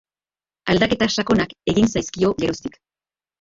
Aldaketa sakonak egin zaizkio geroztik.